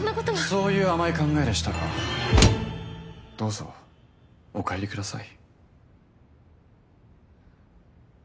そういう甘い考えでしたらどうぞお帰りください。